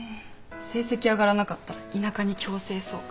成績上がらなかったら田舎に強制送還。